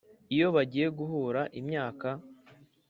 Iyo bagiye guhura imyaka,